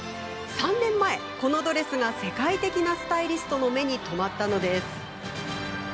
３年前、このドレスが世界的なスタイリストの目に留まったのです。